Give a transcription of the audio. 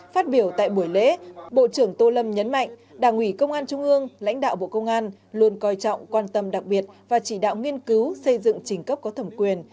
phát biểu tại buổi lễ bộ trưởng tô lâm nhấn mạnh đảng ủy công an trung ương lãnh đạo bộ công an luôn coi trọng quan tâm đặc biệt và chỉ đạo nghiên cứu xây dựng trình cấp có thẩm quyền